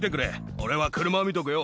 俺は車を見とくよ。